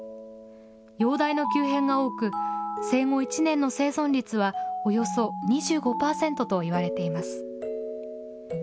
容体の急変が多く、生後１年の生存率はおよそ２５％といわれています。